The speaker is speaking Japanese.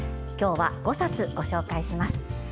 今日は５冊ご紹介します。